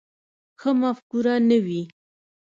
ښه مفکوره نه وي.